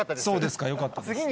そうですか、よかったです。